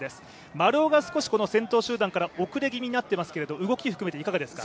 丸尾が少し先頭集団から遅れ気味になっていますけれども動き含めていかがですか。